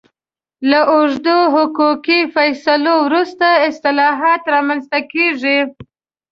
له اوږدو حقوقي فیصلو وروسته اصلاحات رامنځته کېږي.